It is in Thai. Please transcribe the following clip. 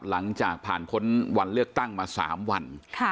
หลังจากผ่านพ้นวันเลือกตั้งมา๓วัน